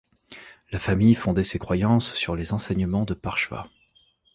La famille fondait ses croyances sur les enseignements de Parshva.